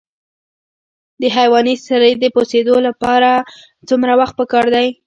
د حیواني سرې د پوسیدو لپاره څومره وخت پکار دی؟